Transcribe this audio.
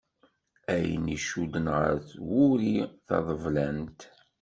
Ayen d-icudden γer twuri taḍeblant.